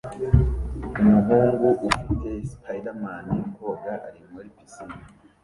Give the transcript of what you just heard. Umuhungu ufite spiderman koga ari muri pisine